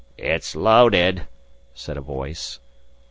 "It's loaded," said a voice.